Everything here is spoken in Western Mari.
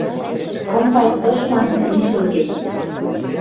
«Кым пай тышман, лишӹл гӹнь».